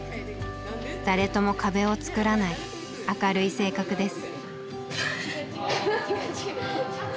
誰とも壁を作らない明るい性格です。